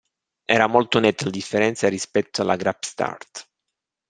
Era molto netta la differenza rispetto alla grap start.